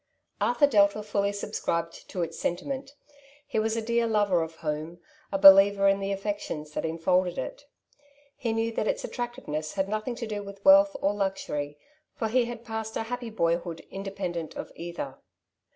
*' Arthur Delta fully subscribed to its sentiment. He was a dear lover of home, a believer in the affections that enfolded it. He knew that its attractiveness had nothing to do with wealth or luxury, for he had passed a happy boyhood independent of either.